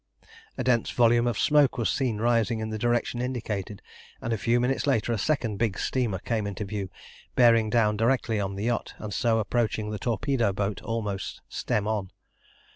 A dense volume of smoke was seen rising in the direction indicated, and a few minutes later a second big steamer came into view, bearing down directly on the yacht, and so approaching the torpedo boat almost stem on.